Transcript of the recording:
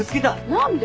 何で？